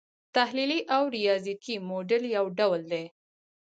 تحلیلي او ریاضیکي موډل یو ډول دی.